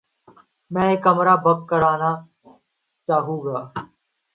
میں ایک کمرہ بک کرانا چاحو گا